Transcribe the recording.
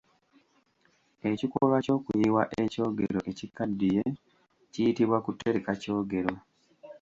Ekikolwa ky’okuyiwa ekyogero ekikaddiye kiyitibwa Kutereka kyogero.